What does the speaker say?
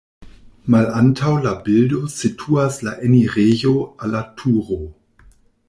Malantaŭ la bildo situas la enirejo al la turo.